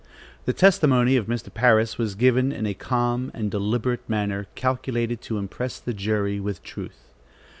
The testimony of Mr. Parris was given in a calm and deliberate manner calculated to impress the jury with truth.